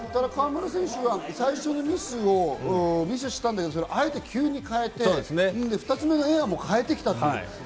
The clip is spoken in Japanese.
川村選手は最初のミスをミスしたんだけど、あえて急に代えて２つ目のエアも変えてきた。